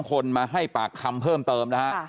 ๓คนมาให้ปากคำเพิ่มเติม